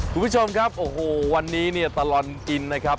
คุณผู้ชมครับโอ้โหวันนี้เนี่ยตลอดกินนะครับ